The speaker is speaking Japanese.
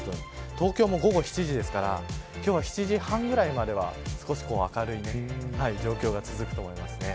東京も午後７時ですから今日は７時半ぐらいまでは少し明るい状況が続くと思います。